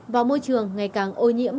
vào môi trường ngày càng ô nhiễm